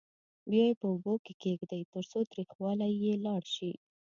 بیا یې په اوبو کې کېږدئ ترڅو تریخوالی یې لاړ شي.